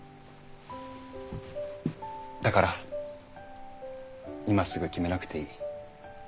だから今すぐ決めなくていい。